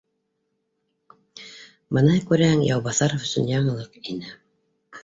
Быныһы, күрәһең, Яубаҫаров өсөн яңылыҡ ине